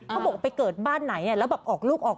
เอาอีกทีเอาอีกทีเอาอีกที